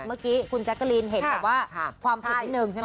เมื่อกี้คุณแจ๊กาลีนเห็นว่าความเผ็ดนึงใช่ไหม